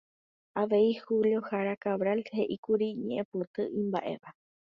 Avei Julio Jara Cabral heʼíkuri ñeʼẽpoty imbaʼéva.